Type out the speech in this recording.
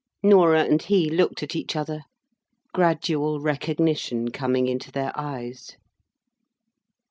Norah and he looked at each other; gradual recognition coming into their eyes.